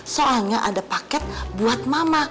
soalnya ada paket buat mama